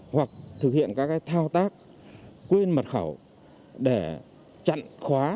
hoặc thực hiện các thao tác quên mật khẩu để chặn khóa